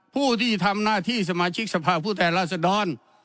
ผู้ที่ทำหน้าที่สมาชิกสภาพผู้แทนราษดร